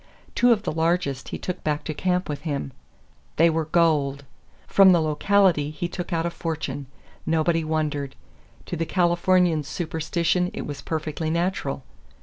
Two of the largest he took back to camp with him. They were gold! From the locality he took out a fortune. Nobody wondered. To the Californian's superstition it was perfectly natural.